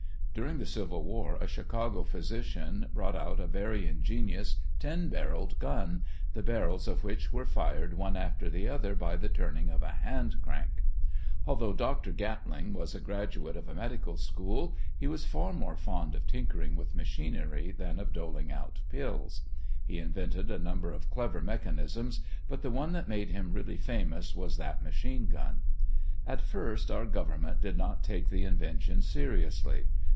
During the Civil War a Chicago physician brought out a very ingenious ten barreled gun, the barrels of which were fired one after the other by the turning of a hand crank. Although Dr. Gatling was a graduate of a medical school, he was far more fond of tinkering with machinery than of doling out pills. He invented a number of clever mechanisms, but the one that made him really famous was that machine gun. At first our government did not take the invention seriously.